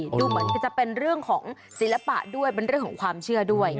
ดูเหมือนจะเป็นเรื่องของศิลปะด้วยเป็นเรื่องของความเชื่อด้วย